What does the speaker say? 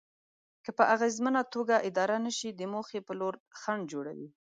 که په اغېزمنه توګه اداره نشي د موخې په لور خنډ جوړوي.